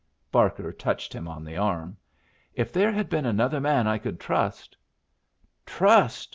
Barker touched him on the arm. "If there had been another man I could trust " "Trust!"